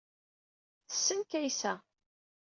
Tessen Kaysa.